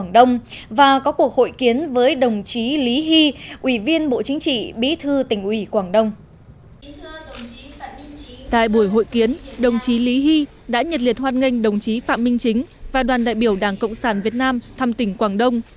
đồng chí lý hy đã nhật liệt hoan nghênh đồng chí phạm minh chính và đoàn đại biểu đảng cộng sản việt nam thăm tỉnh quảng đông